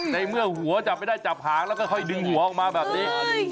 ในเมื่อหัวจับไม่ได้จับหางแล้วก็ค่อยดึงหัวออกมาแบบนี้